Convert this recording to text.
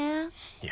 いや。